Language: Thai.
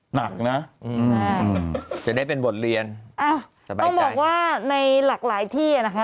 หนักนะอืมจะได้เป็นบทเรียนอ้าวต้องบอกว่าในหลากหลายที่อ่ะนะคะ